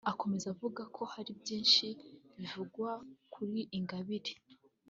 Akomeza avuga ko hari byinshi bivugwa kuri Ingabire